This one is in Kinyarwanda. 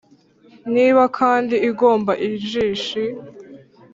niba kandi igomba injishi